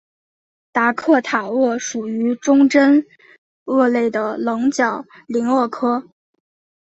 达科塔鳄属于中真鳄类的棱角鳞鳄科。